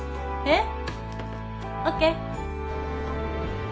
えっ？ＯＫ。